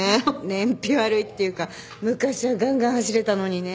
燃費悪いっていうか昔はがんがん走れたのにね。